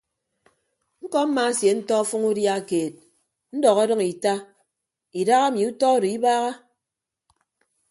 Ñkọ mmaasentọ ọfʌñ udia keed ndọk ọdʌñ ita idaha emi utọ odo ibaaha.